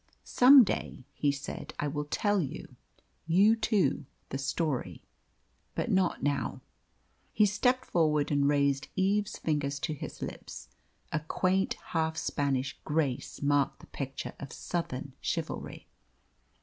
"Some day," he said, "I will tell you you two the story, but not now." He stepped forward and raised Eve's fingers to his lips. A quaint, half Spanish grace marked the picture of Southern chivalry.